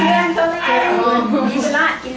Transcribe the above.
ไอ้เพื่อน